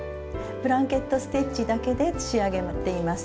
ブランケット・ステッチだけで仕上げています。